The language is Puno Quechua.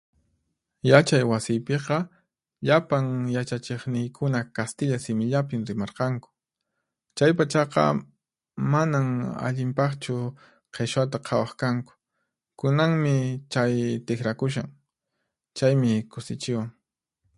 Yachay wasiypiqa, llapan yachachiqniykuna kastilla simillapin rimarqanku. Chay pachaqa manan allinpaqchu qhichwata qhawaq kanku. Kunanmi chay tiqrakushan, chaymi kusichiwan.